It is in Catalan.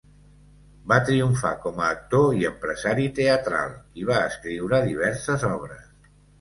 Va triomfar com a actor i empresari teatral, i va escriure diverses obres.